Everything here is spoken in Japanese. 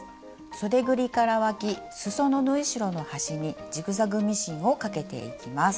そでぐりからわきすその縫い代の端にジグザグミシンをかけていきます。